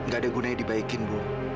gak ada gunanya dibaikin bu